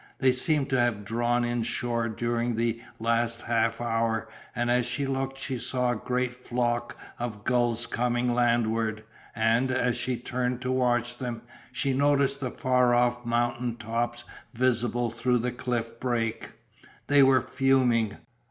They seemed to have drawn in shore during the last half hour and as she looked she saw a great flock of gulls coming landward, and, as she turned to watch them, she noticed the far off mountain tops visible through the cliff break. They were fuming.